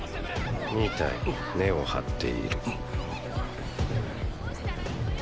２体根をはっている。